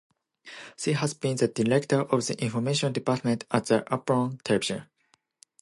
She has been the director of the Information Department at the "Apollon" television.